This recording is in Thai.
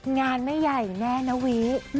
งานไม่ใหญ่แน่นะวิ